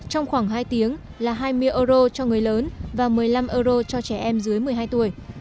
trong khoảng hai tiếng là hai mươi euro cho người lớn và một mươi năm euro cho người lớn